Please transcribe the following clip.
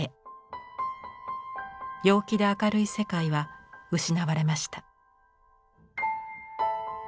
陽気で明るい世界は失われました。